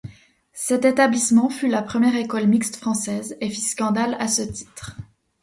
Cet établissement fut la première école mixte française, et fit scandale à ce titre.